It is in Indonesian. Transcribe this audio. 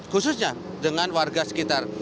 khususnya dengan warga sekitar